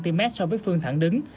cm so với phương thẳng đứng